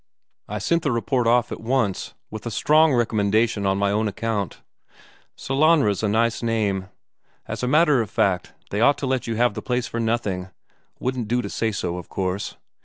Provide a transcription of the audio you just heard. "I sent off the report at once, with a strong recommendation on my own account. Sellanraa's a nice name. As a matter of fact, they ought to let you have the place for nothing, wouldn't do to say so, of course.